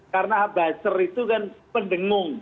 karena buzzer itu kan pendengung